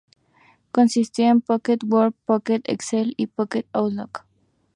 Consistió de Pocket Word, Pocket Excel y Pocket Outlook.